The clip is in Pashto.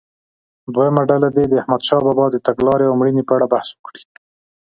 دویمه ډله دې د احمدشاه بابا د تګلارې او مړینې په اړه بحث وکړي.